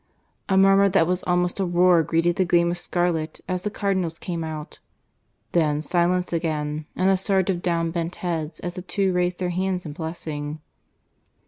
A murmur that was almost a roar greeted the gleam of scarlet as the Cardinals came out; then silence again, and a surge of down bent heads as the two raised their hands in blessing.